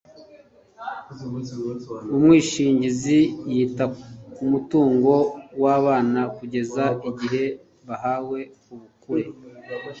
umwishingizi yita ku mutungo w'abana kugeza igihe bahawe ubukure